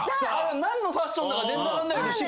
何のファッションだか全然分かんないけど。